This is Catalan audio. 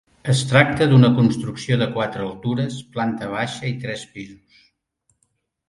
Es tracta d'una construcció de quatre altures, planta baixa i tres pisos.